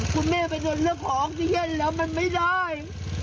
คุณแม่ไปโดนเรื้อของที่เย็นแล้วมันไม่ได้